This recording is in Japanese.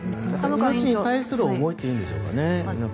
命に対する思いっていうんでしょうかね。